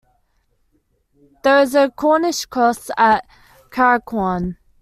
There is a Cornish cross at Carracawn.